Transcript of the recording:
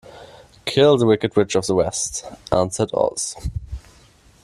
"Kill the wicked Witch of the West," answered Oz.